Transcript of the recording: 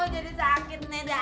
jadi sakit neda